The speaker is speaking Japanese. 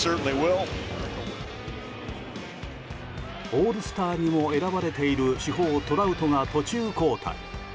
オールスターにも選ばれている主砲トラウトが途中交代。